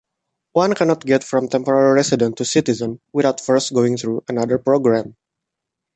One cannot get from Temporary resident to Citizen without first going through another program.